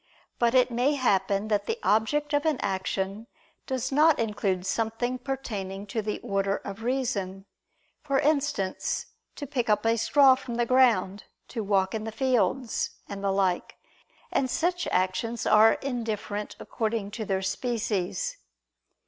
But it may happen that the object of an action does not include something pertaining to the order of reason; for instance, to pick up a straw from the ground, to walk in the fields, and the like: and such actions are indifferent according to their species.